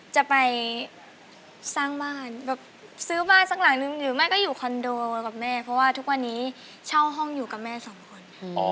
จะไปสร้างบ้านแบบซื้อบ้านสักหลังนึงหรือไม่ก็อยู่คอนโดกับแม่เพราะว่าทุกวันนี้เช่าห้องอยู่กับแม่สองคน